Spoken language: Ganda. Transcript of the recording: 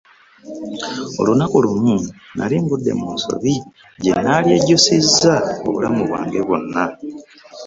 Olunaku lumu nali ngudde mu nsobi gye nalyejjusizza obulamu bwange bwonna.